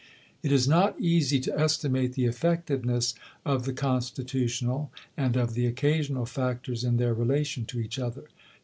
It is not easy to estimate the effectiveness of the constitutional and of the occasional factors in their relation to each other.